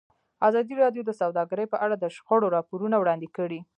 ازادي راډیو د سوداګري په اړه د شخړو راپورونه وړاندې کړي.